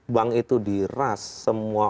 bank itu di ras semua